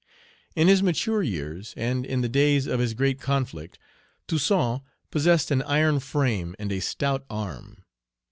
In his mature years, and in the days of his great conflict, Toussaint possessed an iron frame and a stout arm.